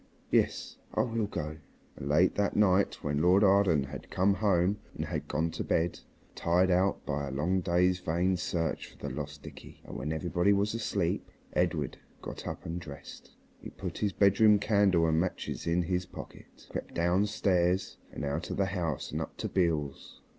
"Yes, I will go." And late that night when Lord Arden had come home and had gone to bed, tired out by a long day's vain search for the lost Dickie, and when everybody was asleep, Edred got up and dressed. He put his bedroom candle and matches in his pocket, crept down stairs and out of the house and up to Beale's.